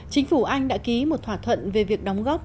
chính phủ anh đã ký một thỏa thuận về việc đoàn tập